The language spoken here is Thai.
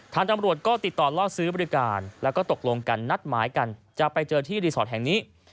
ตำรวจก็ติดต่อล่อซื้อบริการแล้วก็ตกลงกันนัดหมายกันจะไปเจอที่รีสอร์ทแห่งนี้